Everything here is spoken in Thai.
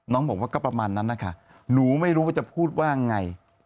บอกว่าก็ประมาณนั้นนะคะหนูไม่รู้ว่าจะพูดว่าไง